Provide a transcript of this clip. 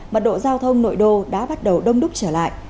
mật độ giao thông nội đô đã bắt đầu đông đúc trở lại